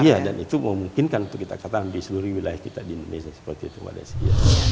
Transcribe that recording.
iya dan itu memungkinkan untuk kita katakan di seluruh wilayah kita di indonesia seperti itu mbak desi